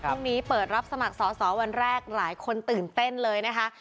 พรุ่งนี้เปิดรับสมัครสอสอวันแรกหลายคนตื่นเต้นเลยนะคะ